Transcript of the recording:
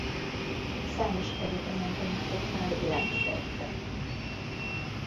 Számos egyetemen tanított már világszerte.